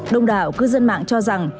đông đảo cư dân mạng cho rằng